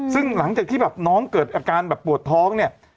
ซึ่งหลังจากที่น้องเกิดอาการปวดท้อง